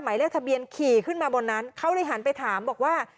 หมายเลขทะเบียนขี่ขึ้นมาบนนั้นเขาเลยหันไปถามบอกว่า